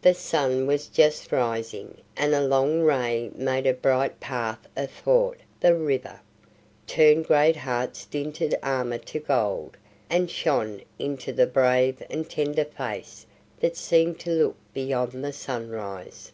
The sun was just rising, and a long ray made a bright path athwart the river, turned Greatheart's dinted armor to gold, and shone into the brave and tender face that seemed to look beyond the sunrise.